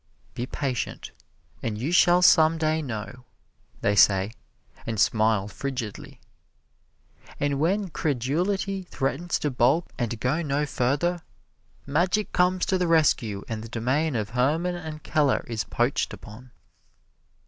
"Be patient, and you shall some day know," they say, and smile frigidly. And when credulity threatens to balk and go no further, magic comes to the rescue and the domain of Hermann and Kellar is poached upon.